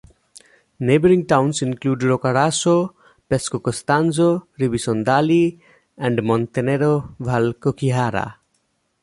Neighbouring towns include Roccaraso, Pescocostanzo, Rivisondoli, and Montenero Val Cocchiara.